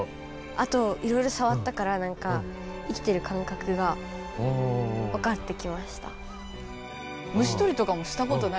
あといろいろさわったからなんか生きてるかんかくがわかってきました。